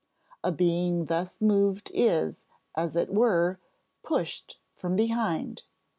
A being thus moved is, as it were, pushed from behind.